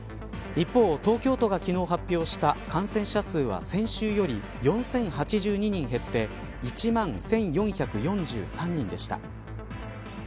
一方、東京都が昨日発表した感染者数は先週より４０８２人減って１万１４４３人でした。